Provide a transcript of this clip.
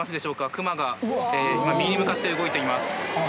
クマが今右に向かって動いています。